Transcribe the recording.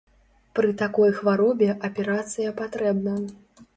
Пры такой хваробе аперацыя патрэбна.